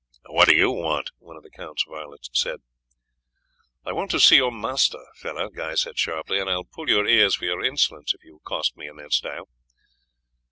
"What do you want?" one of the count's valets said. "I want to see your master, fellow," Guy said sharply, "and I will pull your ears for your insolence if you accost me in that style."